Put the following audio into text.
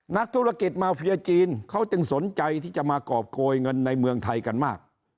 นักธุรกิจมาเฟียจีนเขาจึงสนใจที่จะมากรอบโกยเงินในเมืองไทยกันมาก